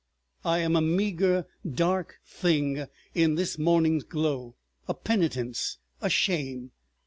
I am a meagre dark thing in this morning's glow, a penitence, a shame!